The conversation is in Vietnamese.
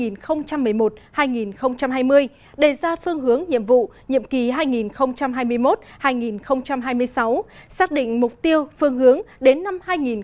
năm hai nghìn hai mươi đề ra phương hướng nhiệm vụ nhiệm ký hai nghìn hai mươi một hai nghìn hai mươi sáu xác định mục tiêu phương hướng đến năm hai nghìn ba mươi